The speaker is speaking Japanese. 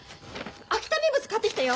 秋田名物買ってきたよ。